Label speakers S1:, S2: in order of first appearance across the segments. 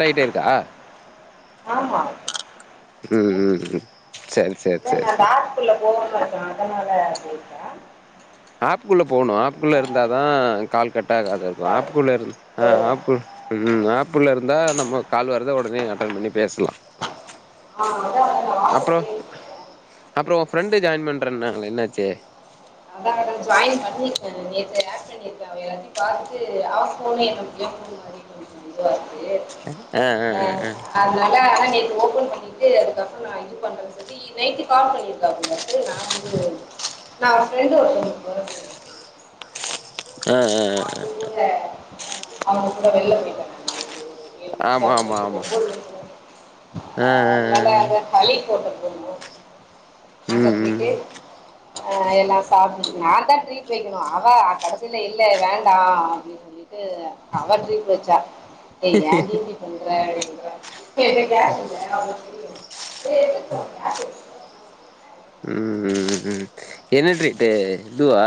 S1: right இருக்கா
S2: ஆமா
S1: உம் உம் சரி சரி சரி
S2: இல்லல்லா
S1: சரி
S2: பாக் குல்ல போகாம இருக்கானால அதனால போய்ச்ச
S1: ஆப்புக்குள்ள போணும் ஆப்புக்குள்ள இருந்த தான் கால் கட்ட ஆகாது ஆப்குள்ள இரு
S2: ஓ
S1: அஹான் ஆப்குள்ள ம் ஆப்புள்ள இரு இருந்தா நம்ம கால் வருத உடனே அட்டன் பண்ணி பேசலாம்
S2: ஆஹ் அத
S1: அப்புறம் அப்புறம் உன் ஃப்ரெண்டு ஜாயின் பண்றே நாங்களே என்னாச்சு
S2: நேத்து ஆட் பண்ணியிருக்கே அவன் எல்லாத்தையும் பார்த்துட்டு ஆஃ போனு என்னமோன் [unintelligible] து
S1: ஆ ஆ
S2: ஆஹ்
S1: ஆ
S2: அதனால ஆனா ஓப்பன் பண்ணிட்டு அதுக்கப்புறம் நான் இது பண்றேன்னு சொல்லி நைட்டு கால் பண்ணி இருக்கா போல இருக்கு நா வந்து நாவ் ஃபிரண்டு ஒருத்தவங்களுக்கு பர்டேய்
S1: ஆஹ ஆஹஹஹ
S2: அவங்க கூட வெள்ள போயிட்டாக
S1: ஆ ஆமா ஆமா ஆமா
S2: ஒம்பது மணி
S1: ஆ ஆ ஆ
S2: அதனால
S1: ஆ
S2: அத களி போட்டேம் ஓ
S1: ம் ம்
S2: அங்கப்பேய்யிட்டு ஆஹ எல்லாம் சாப்புட்டு நான் தான் ட்ரீட் வைக்கணும் அவ கடைசியில இல்ல இல்ல வேண்டாம் அப்படின்னு சொல்லிட்டு அவவ ஃட்ரீட் வச்சா ஏய்யான்டி இப்படிபண்ற அப்படின்றா அவ செல்லுவா உம்
S1: உம் உம் உம் என்னடிறிட்டு இதுவா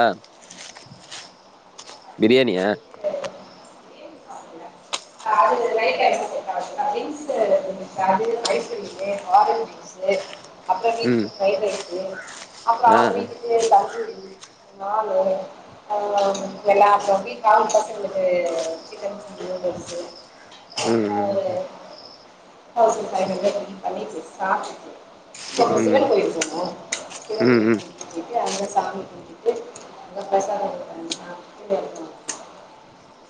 S1: பிரியாணி ஏன்
S2: அது வெயில்ல ஜுஸ்ம் ஆரஞ்ச் ஜூஸ் அப்புறம்
S1: ம்
S2: வீட்டுக்கு ஃரைட் ரைஸ் அப்புறம்
S1: ஆ
S2: அவங்க வீட்டுக்கு நம்பூதிரி ந ஆஹ் நல்ல ஆ கால் பசங்களுக்கு சிக்கன் நூடுல்ஸ
S1: உம் உம்
S2: அவ சில கலைகள் பண்ணிச்சு சாப்பிட்டுச்ச இங்க அப்புறம் சிவன் கோயில் பப்போம் சிவன்
S1: ம் ம்
S2: கோயில்
S1: ம்
S2: குடிச்சுட்டு அங்க சாமி குச்சிட்டு அங்க பிரசாதம் கொ இரு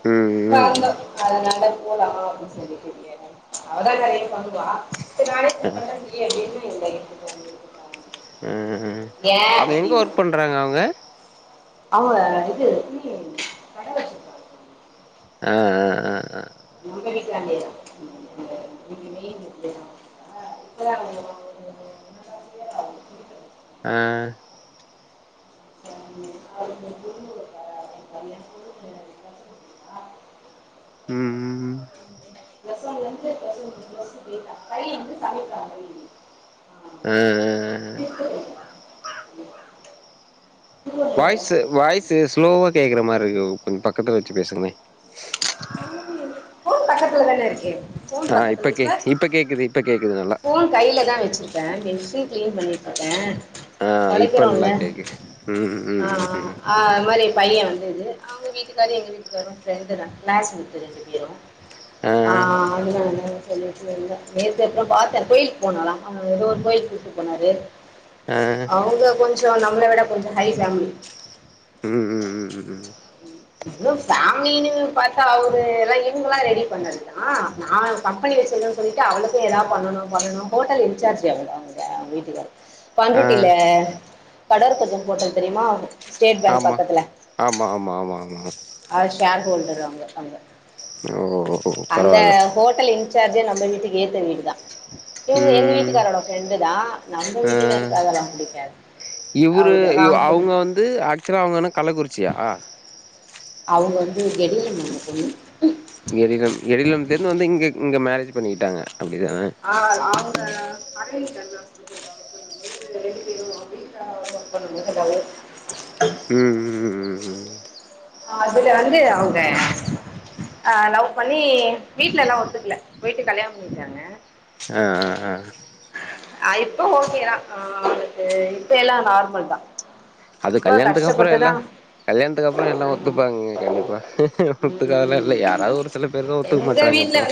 S1: ம் ம் ம்
S2: வந்தோம் அத நல்ல போலாம் அப்படின்னு சொல்லட்டு அவதான் நிறைய பண்ணுவா நளை
S1: அ
S2: பண்ற அப்படின்னு
S1: அ அ
S2: ஏன்
S1: அவங்க எங்க ஒர்க் பண்றாங்க அவங்க
S2: அவங்க இது சிஎ
S1: ஆஹ ஆஹ ஆஹ ஆஹ
S2: நம்ம வீட்டுல இல்ல
S1: அ
S2: அவரு பொருந்து கொப்பா ஒல
S1: ம் ம்
S2: இருந்து ஒ தந்து தமிக்காகஹ்
S1: அ அ அ வாய்ஸ் வாய்ஸ் ஸ்லோவா கேக்குற மாரி கொஞ்சம் பக்கத்துல வச்சு பேசுங்க
S2: ஊர் பக்கத்துல தானே இருக்கேன்
S1: ஆஹ இப்பக்கேக்குது இப்பக்கேக்குது இப்பக்கேக்குது
S2: ஃபோன் கையில தான் வச்சு மிக்ஸி கிளீன் பண்ணிக்கிட்டு இருக்கேன்
S1: ஆ இப்ப
S2: உடைக்கிறோம்ல
S1: நல்லா கேக்குது ம் ம் ம்
S2: ஆஹ
S1: ம்
S2: அது மாதிரி பையன் வந்து அவங்க வீட்டுக்காரும் எங்க வீட்டுக்காரும் ஃப்ரெண்டு தான் கிளாஸ்மிட் ரெண்டு பேரும்
S1: ஆ
S2: ஆஹ் அப்படிதான் நேத்து அப்போ பாத்து கோயிலுக்கு போனலாம் அவ ஏதோ ஒரு கோயிலுக்கு கூட்டு போனாரு
S1: ஆ
S2: அவங்க கொஞ்ஜோ [unintelligible] நம்மள விட கொஞ்ச ஹை ஃபேமிலி
S1: ம் ம் ம் ம் ம்
S2: இவ்ளோ ஃபேமிலின்னு பாத்தா அவரு எல்லா இவங்கெலா ரெடி பண்ணதுதா நா கம்பெனி வச்சிருக்கேன்னு சொல்லிட்டு அவளுக்கு ஏதாவது பண்ணனு பண்ணணு ஹோட்டல் இன்சார்ஜ் வேணு அவுங்களுக்கு அவுங்க வீட்டுக்கார
S1: ஆ
S2: பண்ருட்டில கடோர் [unintelligible] ஹோட்டல் தெரியுமா ஸ்டேட் பேங்க்
S1: ஆமா
S2: பக்கத்துல
S1: ஆமா ஆமா ஆமா
S2: வருவாங்க அவுங்க
S1: ஓ பரவால்ல
S2: ஹோட்டல் இன்சார்ஜே நம்ம வீட்டுக்கு ஏதுத்த வீடுதா இவுங்க எங்க
S1: ம்
S2: வீட்டுக்காரோட ஃப்ரெண்டு தா நம்ம
S1: ஆ
S2: வீட்டுக்காருக்கு அதெல்லா புடிக் காது
S1: இவரு அவுங்க வந்து ஆக்சுலா அவுங்க என்ன கள்ளக்குறிச்சியா
S2: அவுங்க வந்து வெகுளி [unintelligible] பொண்ணு
S1: எரிலம் எரியிலம் இருந்து வந்து இங்க இங்க மேரே ஜி பண்ணிக்கிட்டாங்க அப்டிதான
S2: ஆஹ் அவுங்க [inaudible]
S1: ம் ம் ம் ம்
S2: அதுல வந்து அவுங்க அஹ் லவ் பண்ணி வீட்ல எல்லா ஒத்துக்கல
S1: ஆ ஆ ஆ
S2: அஹ் இப்ப ஓகே தா ஹ் எனக்கு இப்பெல்லா நார்மல் தா
S1: அது
S2: ரொம்ப
S1: கல்யாணத்துக்கு அப்புற
S2: கஷ்டப்பட்டுதா
S1: எல்லா கல்யாணத்துக்கு அப்புற எல்லா
S2: ஆமா
S1: ஒத்துப்பாங்கங்க கண்டிப்பா
S2: ம்
S1: ஒத்துக்காதல
S2: ம்
S1: இல்ல
S2: ஆமா
S1: யாராவது ஒரு சில பேரு தான் ஒத்துக்க
S2: எங்க
S1: மாட்டறாங்க இப்பெலா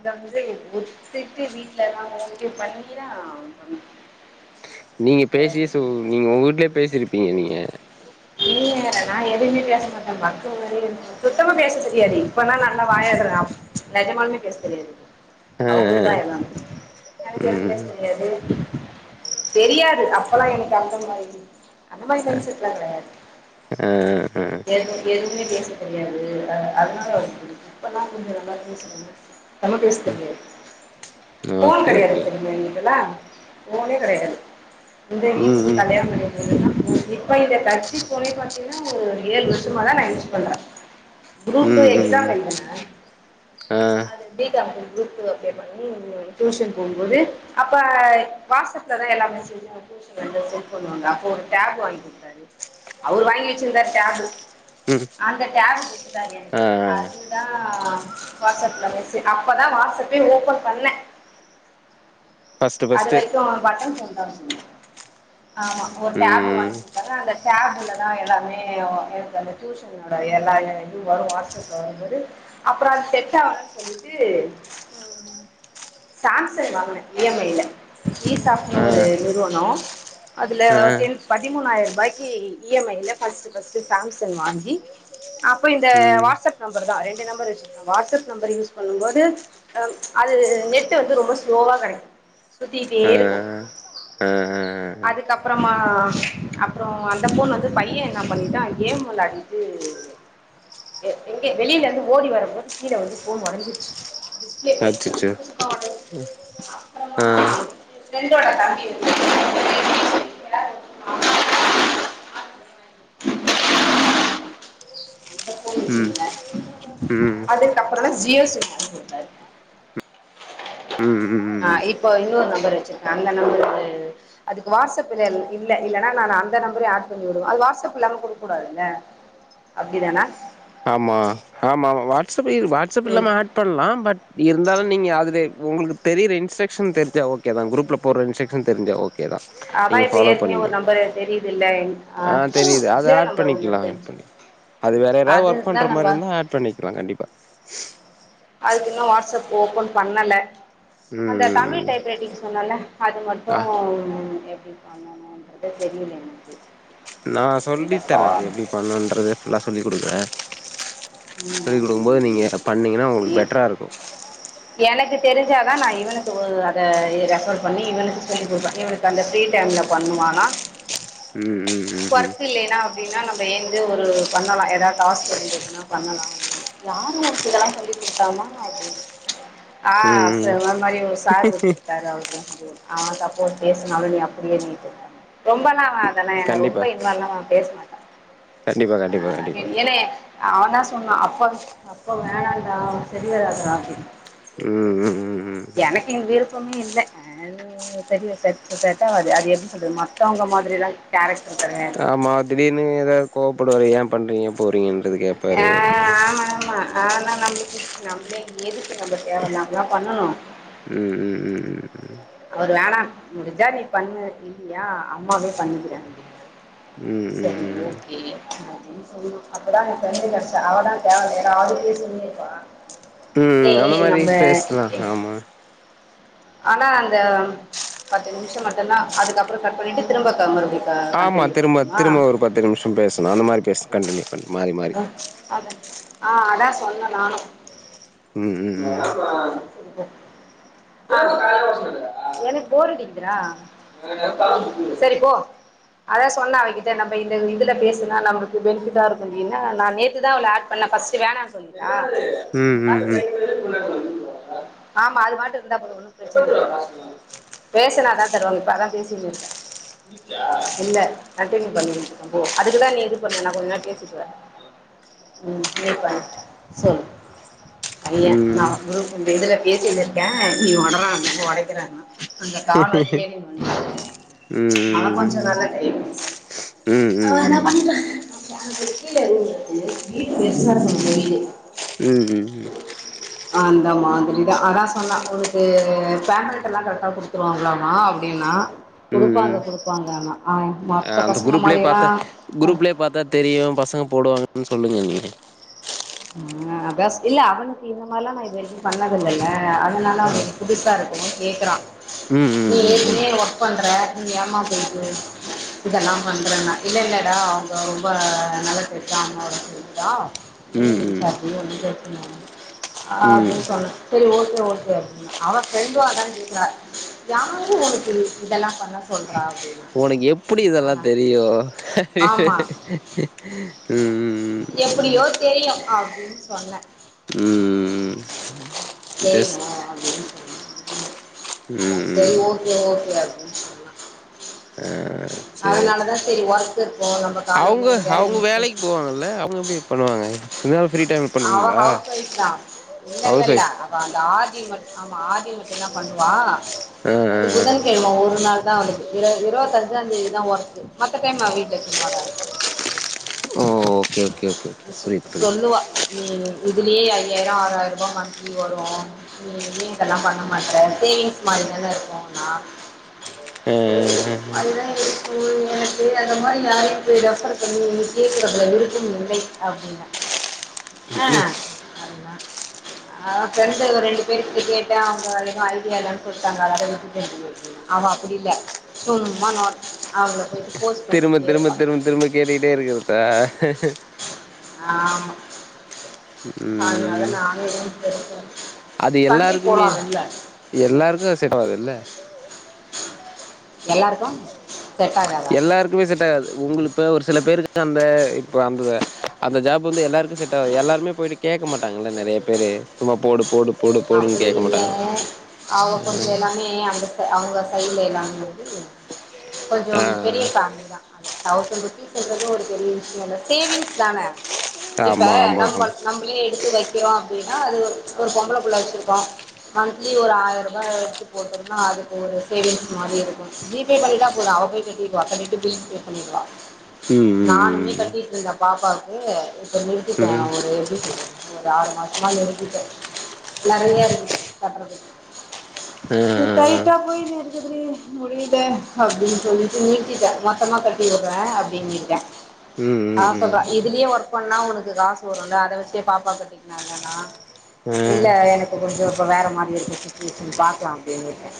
S2: இங்க வந்து ஒத்துட்டு வீட் இல்ல நாங்க [unintelligible] பண்ணீதா பண்ணோ
S1: நீங்க பேசி நீங்க உங்க வீட்லயே பேசிருப்பீங்க நீங்க
S2: இ வேற நா எதுவுமே பேச மாட்டே மக்கு மாரி இருந்தே சுத்தமா பேச தெரியாது இப்பென்னா நல்லா வாயாடுற அப் நெஜமாலுமே பேச தெரியாது
S1: ஆ
S2: அவுரு தா
S1: ஆ
S2: எல்லாமே எனக்கு எதுவு பேச
S1: ம்
S2: தெரியாது தெரியாது அப்பெலா எனக்கு அந்த மாரி அந்த மாரி ஃபிரண்ட்ஸ் இருக்காங்களா யாரு
S1: ஹ ஹ ஹ
S2: எது எதுவுமே பேச தெரியாது அதனால அவளுக்கு [unintelligible] தெரியது இப்பெல்லாம் கொஞ்சோ நல்லா பேச தமிழ் பேச தெரியாது போன்
S1: ஓகே
S2: கிடையாது
S1: ஓகே
S2: என்கிட்டல்லா போனே கிடையாது இந்த
S1: ம்
S2: வீட்டுக்கு
S1: ம்
S2: கல்யாணம் [inaudible] [inaudible] ஏழு வருஷமா தான் நான் யூஸ் பண்ற குரூப் டூ
S1: ம் ம்
S2: எக்ஸாம்
S1: ம்
S2: எலுதுன
S1: ஆ
S2: அது பி காம் போய் குரூப் டூ அப்ளை பண்ணி டியூஷன் போம்போது அப்ப வாட்ஸ் அப்ல எல்லா மெசேஜ் டியூஷன்ல இருந்து போன் பண்ணுவாங்க அப்போ ஒரு டாப் வாங்குடுத்தாரு அவரு வாங்கி வச்சிருந்தாரு டாபு
S1: ம்
S2: அந்த டாபு குடுத்துட்டாரு எனக்கு
S1: ஆ
S2: அதுதா வாட்ஸ் அப் ல மெஸ் அப்பதா வாட்ஸ் அப்பே ஓபன் பண்ண
S1: ஃபஸ்ட்டு
S2: அது
S1: ஃபஸ்ட்டு
S2: வரைக்கு பட்டன் போன் [unintelligible] ஆமா ஒரு டேபு வாங்கி
S1: ம்
S2: குடுத்தாங்க அந்த டேபுல தா எல்லாமே எனக்கு அந்த டியூஷனோட எல்லா இது வரு வாட்ஸ்ப்ல வரும்போது அப்புற அது சேட்டாகல சொல்லிட்டு ம் சாம்சங் வாங்குன இ எம் ஐல இ சாப்னுு
S1: ஆ
S2: ஒரு நிறுவன அதுல
S1: ஆ
S2: டென் பதிமூணாயிர ரூபாய் இ எம் ஐ ல ஃபர்ஸ்ட் ஃபர்ஸ்ட் சாம்சங் வாங்கி அப்போ இந்த
S1: ம்
S2: வாட்ஸ்அப் நம்பர் தா ரெண்டு நம்பர் வச்சிருக்கே வாட்ஸ்அப் நம்பர் யூஸ் பண்ணும்போது அது நெட்டு வந்து ரொம்ப ஸ்லோவா கெடைக்கு சுத்திட்டே
S1: ஆ
S2: இருக்கு
S1: ஆ
S2: அதுக்கப்புறமா அப்புற அந்த போன் வந்து பைய என்ன பண்ணிட்டா கேம் விளையாடிட்டு எங்க வெளியில இருந்து ஓடி வரும்போது கீல வந்து போன் உடஞ்சிச்சி டிஸ்பிளே போயிருச்சு
S1: அச்சச்சோ
S2: [unintelligible] அப்புறமா
S1: ஆ
S2: ப்ரெண்டோட தம்பி வந்து வேற போன் வாங்கணும் ஆஃபர்ல வாங்கி கொடுத்தான் அந்த போன் வச்சு
S1: ம்
S2: இருந்தேன்
S1: ம்
S2: அதுக்கப்புறம் தான் ஜியோ சிம் வாங்கி கொடுத்தாரு
S1: ம் ம்
S2: ஆன் இப்ப இன்னொரு நம்பர் வெச்சிருக்கேன் அந்த நம்பர் அதுக்கு வாப் இஇல்ல இல்லன அந்த நம்பரையும் ஆட் பண்ணி விடுவேன் அது வாட்ஸாப்ப் இல்லாம கொடுக்கக் கூடாது இல்ல அப்படி தானா
S1: ஆமா ஆமா வாஸ் வாடஸ்அப்
S2: ம்
S1: இல்லாமல் ஆட் பண்ணலாம் பட் இருந்தாலும் நீங்க அதுல உங்களுக்கு தெரியிற இன்ஸ்ரஷ தெரி்ச ஓகோதான் குரப்ல போடுற இன்ஸ்டரக்ஷ தெரிஞ்சா ஓகே தா
S2: அவா
S1: நீங்க
S2: இப்ப
S1: ஃபாலோ
S2: ஏற்கன
S1: பண்ணிக்க
S2: ஒரு நம்பர் தெரியுதுலா
S1: ஆ
S2: ஹான்
S1: தெரியுது அத
S2: ஜியோ
S1: ஆட்
S2: நம்பர் ஒண்ணு
S1: பண்ணிக்கலா
S2: இருக்கு எனக்கு தெரிஜி அது இருந்தா
S1: பன்ற மாரி
S2: நம்ம
S1: இருந்த ஆட் பண்ணிக்கலாம் கண்டப்பா [inaudible]
S2: அதுக்கு இன்னும் வாட்ஸ்அப் ஓப்பன் பண்ணல அந்த
S1: ம்
S2: தமிழ்
S1: ம்
S2: டைப் ரைட்டிங் சொன்னல அது
S1: ஆ
S2: மட்டும் எப்படி பண்ணனோன்றது தெரியல எனக்கு
S1: நான்
S2: இந்த
S1: சொல்லி தரேன் அது எப்படி பண்ணன்றத ஃபுல்லா சொல்லி் கொடுக்குறேன் சொல்லி கொடுக்கும்போது
S2: ம்
S1: நீங்க பண்ணீங்கன்னா உங்களுக்கு பெட்டரா இருக்கும்
S2: எனக்கு தெரிஞ்சாதான் நான் இவனுக்கு அத ரெஃபர் பண்ணி இவனுக்கு சொல்லிடுப்பன் இவனுக்கு அந்த ஃபிரீ டைம்ல பண்ணுவானா
S1: ம் ம் ம்
S2: ஒர்க் இல்லலைன்னா அப்படின்னா நம்ம வேந்து ஒரு பண்ணலாம் ஏதாவது டாஸ்க் இருந்ததுன்னா பண்ணலாம் யாரும் உனக்கு இதெல்லாம் சொல்லி் கொடுத்தாமா அப்படினுன்
S1: ம்
S2: ஆஹ்
S1: ம் ம்
S2: சர்வரு மாரி ஒரு சார் ஓத்துருயிருக்காரு அவரு ஆமா சப்போஸ் பேசனாலும் நீ அப்படியே நீட்டு ரொம்பலா வேண அதல ரொம்ப
S1: கண்டிப்பா
S2: இன்வல்லாம் பேச மாட்டேன்
S1: கண்டிப்பா கண்டிப்பா
S2: ஆஹ்
S1: கண்டிப்பா
S2: ஏனே அவன்தான் சொன்னா அப்பா அப்பா வேணாம்ண்டா சரி வராதுடா அப்டினு
S1: உம் உம் உம்
S2: எனக்கு விருப்பமே இல்ல ஆது சரி சட் சட்டாகது அது எப்படினு சொல்றது மத்தவங்க மாதிரிதான் கேரக்
S1: ஆஹ் ஆமா திடீர்னு எதாது கோபப்படுவாரு ஏன்ப் பண்றீங்க போறீங்கனு
S2: ஆஹ் ஆமா ஆமா ஆனான் நம்மளுக்கு நம்மளே எதுக்கு நம்ம தேவலாமல்லாம் பண்ணணும்
S1: உம் உம் உம் உம் உம்
S2: அவரு வேணாம் முடிஜா நீ பண்ணு இல்லையா அம்மாவே பண்ணிக்கிறப்ப
S1: ம்
S2: சரி
S1: ம்
S2: ஓகேனு சொன்ன அப்பதான் அப்போதான் அவ பிரிண்ட் கேடச்சா அவ அவதான் ஏதாச்சும் பேசினே இருப்பா
S1: உம்
S2: ஏய்
S1: அந்த
S2: ஏய்
S1: மாதிரி
S2: நம்ம
S1: பேசலாம் ஆமா
S2: ஆனா அந்த பத்து நிமிஷம் மட்டு்தான் அதுக்கப்புறம் கட் பண்ணிட்டு திரும்ப கம்பற
S1: ஆமா திரும்ப திரும்ப ஒரு பத்து நிமிஷம் பேசணும் அந்த மாதிரி பேச கண்டிநியூ பன்னி மாறி மாறி
S2: ஆஹ் அதான் சொன்னேன் நானும்
S1: உம் உம் உம்
S2: அத சொன்ன அவகிட்ட நம் இதுல பேசனா நமக்குபெனிபிட்டா இரு அப்டினா நான் நேத்து தான் அவள ஆட் பண்ணே ஃபர்ஸ்ட் வேணான்னு சொல்ட்டேன்
S1: ம்
S2: ஆஹான்
S1: ம்
S2: [unintelligible] உம் கப்ப சொல்லு
S1: ம்
S2: பையன்
S1: ம்
S2: நான் குரூப் இதுல பேசிட்டு இருக்கேன் நீ உடற உடைக்கிறங்கா அந்த தால் தேடி வந்துச்சு
S1: ம்
S2: மழ
S1: ம் ம்
S2: கொஞ்சம் நல்ல டைம்
S1: ம் ம் ம்
S2: அவ
S1: ம்
S2: ஏதன பண்ணிப்ப [unintelligible] கீழ இருக்கு [unintelligible] வீடு பெருசா இருக்கும் நம்ம வீடு
S1: உம் உம் உம்
S2: அந்த மாதிரிதான் அதான் சொன்னா உனக்கு பேமெண்ட் எல்லாம் கரெக்டா குடுத்துருவாங்களாமா அப்படின்னா
S1: ம்
S2: குடுப்பாங்க
S1: ம்
S2: குடுப்பாங்கனா ஆ மத்த
S1: அந்த
S2: பசங்க மாதிரி
S1: குரூப்லய பார்த்தா
S2: எல்லாம் ஆ,
S1: குரூப்லயே பார்த்தா தெரியும் பசங்க போடுவாங்கன்னு சொல்லுங்க அங்க
S2: அதா இல்ல அவனுக்கு இந்த மாரிலாம் நான் இது வரைக்கும் பண்ணதில்ல அதனால
S1: ஆ
S2: அவங்களுக்கு புதுசா இருக்கும் கேக்றான்
S1: ம்
S2: நீ
S1: ம் ம் ம்
S2: ஏற்கனவே ஒர்க் பண்ற நீ ஏமா போயிட்டு இத நான் பண்றேன்னான் இல்ல இல்லடா அவங்க ரொம்ப நல்ல டைப் தான் அம்மாவோட பிரண்டுதான் ஏ ஐ
S1: ம் ம்
S2: இன்சார்ஜ [unintelligible]
S1: ம்
S2: அப்படின்னு சொன்ன சரி ஓகே ஓகே அப்படின்னா அவன் ஃப்ரெண்டும் அதான் கேட்குறா யாரும் உனக்கு இதெல்லாம் பண்ண சொல்றா அப்படின்னு
S1: உனக்கு எப்படி இதெல்லாம் தெரியும்
S2: ஆமா
S1: உம் உம் உம்
S2: எப்படியோ தெரியும் அப்படின்னு சொன்னேன்
S1: ம் ஜஸ்ட்
S2: செய்றோம் அப்படின்னு சொன்ன
S1: ம்
S2: சரி
S1: ம்
S2: ஓகே ஓகே அப்டினு
S1: அஹ் சரி ச
S2: அதனாலதா சரி ஒர்க் இருக்கு நம்ம
S1: அவங்க
S2: காலையிலயே அந்த வேலைய
S1: அவங்க வேலைக்கு
S2: முடிச்சு
S1: போவாங்கல்ல அவங்க எப்படி பண்ணுவாங்க [unintelligible]
S2: அவ
S1: பண்ணுவீங்களா
S2: ஹவுஸ் வைஃப் தான் இல்ல
S1: ஹவுஸ்
S2: இல்ல
S1: ஒய்ஃப்
S2: அவ அந்த ஆதி மட் ஆமா ஆதி தி மட்டுதான் பண்ணுவா
S1: ஆ ஆ
S2: அது
S1: ஆ
S2: புதன் கிழம ஒரு நாள் நான் வந்துயிருக்கு இருபத்தஞ்சாந்தேதிதான் ஒர்க் மத்த டைம் வீட்ல சும்மாதான் இருப்பா
S1: உஹ்ன் ஓகே ஓகே ஓகே ஓகே
S2: சொ
S1: புரித புரிது
S2: சொல்லுவா நீ இதுலயே ஐயாயிரம் ஆறாயிரம் ரூபாய் மந்த்லி வரும் நீ ஏன் இதெல்லாம் பண்ண மாட்டறே சேவிங்ஸ் சேவிங்ஸ் மாரி தான இருக்கும்ண்ணா
S1: ஆ ஆ
S2: [unintelligible]
S1: ஆ
S2: அதுதான் எனக்கு [unintelligible] அந்த மாரி ஆயிடுது ரெபர் பண்ணி கேட்டதுல இருந்து இல்லைய அப்டின்னா ஆ ஹான் [unintelligible] ப்ரன்டு எதோ ரெண்டு பேரு கிட்ட கேட்டோன் அவுங்க அத ஐடியா இல்லன்னு சொல்லிட்டாங்க அத விட்டுட்டு அவ அப்டி இல்ல சும்மா நோ அவ்ளோ
S1: திரும்ப திரும்ப திரும்ப திரும்ப கேட்டிட்டே இருக்கிறதா
S2: ஆமா
S1: ம் ம்
S2: [unintelligible]
S1: அது
S2: சண்டே
S1: எல்லாருக்குமே
S2: போகலாம் வெளில
S1: எல்லாருக்கு செட்டாவது இல்ல
S2: எல்லாருக்கும் செட் ஆகாதா
S1: எல்லாருக்குமே செட் ஆகாது உங்களுப்ப ஒரு சில பேருக்கு அந்த இப்ப அந்த அந்த ஜாப் வந்து எல்லாருக்கு செட்டாவது எல்லாருமே போயிட்டு கேக்க மாட்டாங்கல்ல நெறைய பேரு சும்மா போடு போடு போடு போடுன்னு
S2: அப்புடி
S1: கேட்க
S2: இல்ல
S1: மாட்டாங்கல்ல
S2: அவ கொஞ்சொ எல்லாமே அவளுக் கு அவுங்கள கைல எல்லாமே வந்து கொஞ்சம் பெரிய
S1: ஆ
S2: ஃபேமிலி தா அது தவுஸன்ருப்பிஸ் இதுவு ஒரு பெரிய விஷ்யொல்ல சேவிங்ஸ் தான இப்ப
S1: ஆமா ஆமா
S2: நம்ப
S1: ஆமா
S2: நம்பளே எடுத்து வை க்கிறோ அப்டின்னா அது ஒரு பொம்பள புள்ள வச்சுருக்கோ மன்த்லி ஒரு ஆயருபா எடுத்து போட்டோம்னா அதுக்கு ஒரு சேவிங்ஸ் மாரி இருக்கும் ஜி பே பண்ணிட்டா போது அவ போய் கட்டிடுவா கட்டிட்டு பில் பே பண்ணிடுவா
S1: ம்
S2: நானுமே
S1: ம்
S2: கட்டிட்ருந்தே பாப்பாவுக்கு இப்ப
S1: ம்
S2: நிறுத்திட்டே
S1: ம் ம்
S2: ஒரு எப்டி சொல்றது ஒரு ஆறு மாசமா நிறுத்திட்டே நெறைய இருக்கு கட்றதுக்
S1: ஆ ஆ ஆ
S2: [unintelligible] விட்டா போய்னு இருக்கதுலே முடியல அப்டின்னு சொல்லிட்டு நீீக்கிட்டே மொத்தமா கட்டி வுர்றே அப்டின்னீட்டே
S1: ம் ம்
S2: அவ
S1: ம்
S2: சொல்றா இதுலயே ஒர்க் பண்ணா உனக்கு காசு வருல்ல அத வச்சே பாப்பா கட்டிக்கினாலனா
S1: ஆ
S2: இல்ல எனக்கு கொஞ்சொ இப்ப வேற மாரி இருக்கு சுச்சுவேஷன் பாக்லாம் அப்டின்னுட்டே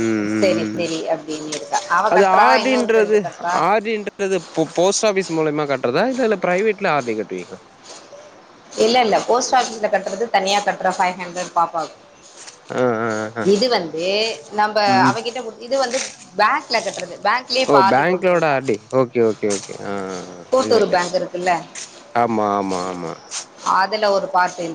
S1: ம்
S2: சேரி
S1: ம் ம்
S2: செரி அப்டின்னு இரு
S1: அது ஆர் டி ன்றது ஆர் டி ன்றது போஸ்ட் ஆஃபிஸ் மூலமா கட்றதா இல்லல ப்ரைவேட்ல ஆர் டி கட்டுவிங்ளா
S2: இல்லல்ல போஸ்ட் ஆஃபிஸ்ல கட்றது தனியா கட்டுற ஃபைவ் ஹண்ரட் பாப்பாக்கு
S1: ஆ ஆ ஆ
S2: இது வந்து நம்ப
S1: ம்
S2: அவகிட்ட வ இது வந்து பேங்க்ல கட்றது பேங்க்
S1: ஓ பேங்க்லோட R D okay okay okay ஆ ஆ ஆ அதுகு தா‌
S2: கூட்டுறவு
S1: கேட்டே
S2: பேங்க் இருக்குல்ல
S1: ஆமா ஆமா ஆமா
S2: அதுல ஒரு பார்ட் இன்